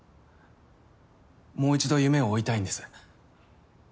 もう１度夢を追いたいんです。